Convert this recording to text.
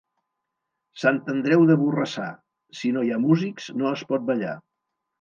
Sant Andreu de Borrassà, si no hi ha músics, no es pot ballar.